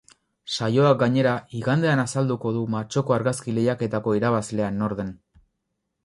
Saioak, gainera, igandean azalduko du martxoko argazki lehiaketako irabazlea nor den.